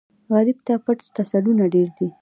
غریب ته پټ تسلونه ډېر دي